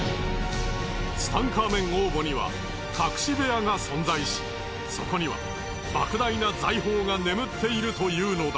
ツタンカーメン王墓には隠し部屋が存在しそこには莫大な財宝が眠っているというのだ。